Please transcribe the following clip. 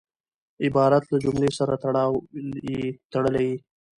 عبارت له جملې سره تړلی يي.